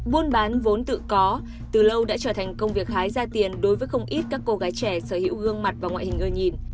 buôn bán vốn tự có từ lâu đã trở thành công việc hái ra tiền đối với không ít các cô gái trẻ sở hữu gương mặt và ngoại hình ưa nhìn